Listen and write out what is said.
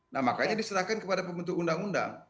nah makanya diserahkan kepada pembentuk undang undang